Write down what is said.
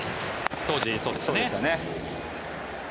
当時、そうでしたね。